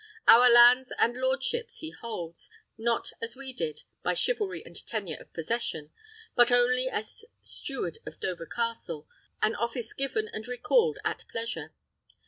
Our lands and lordships he holds, not as we did, by chivalry and tenure of possession, but only as steward of Dover Castle, an office given and recalled at pleasure.